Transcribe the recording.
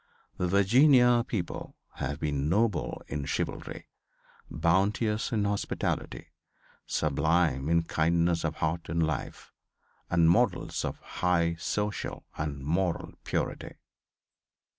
The Virginia people have been noble in chivalry, bounteous in hospitality, sublime in kindness of heart and life and models of high social and moral purity.